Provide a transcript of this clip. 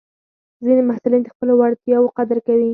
ځینې محصلین د خپلو وړتیاوو قدر کوي.